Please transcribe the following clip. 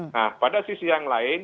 nah pada sisi yang lain